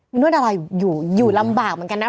มีนวดอะไรอยู่อยู่ลำบากเหมือนกันนะ